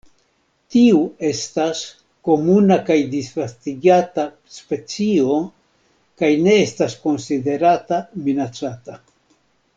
Tiu estas komuna kaj disvastigata specio, kaj ne estas konsiderata minacata.